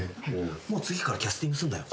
もう次からキャスティングすんなよ。